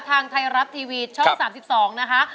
ทางไทยรัฐทีวีช่อง๓๒นะคะ